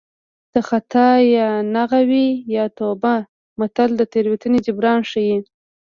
د خطا یا ناغه وي یا توبه متل د تېروتنې جبران ښيي